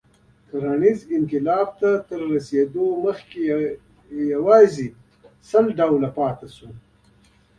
کرنیز انقلاب ته تر رسېدو مخکې یواځې سل ډوله پاتې شول.